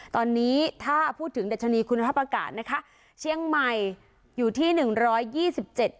ตอนนี้ถ้าพูดถึงดัชนีคุณภาพอากาศนะคะเชียงใหม่อยู่ที่หนึ่งร้อยยี่สิบเจ็ด